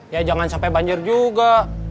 ya jangan sampai banjir juga